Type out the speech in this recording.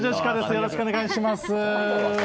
よろしくお願いします。